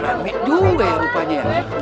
rame dua ya rupanya